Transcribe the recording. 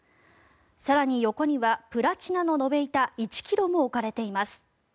更に、横にはプラチナの延べ板１ｋｇも置かれています。